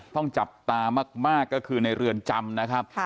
ต้องจับตามากก็คือในเรือนจำนะครับ